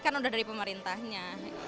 kan udah dari pemerintahnya